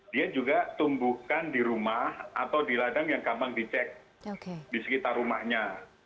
dia juga tumbuhkan di rumah atau di ladang yang gampang dicek di sekitar rumahnya